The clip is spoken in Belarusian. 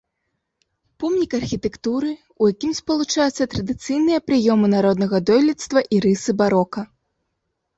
Помнік архітэктуры, у якім спалучаюцца традыцыйныя прыёмы народнага дойлідства і рысы барока.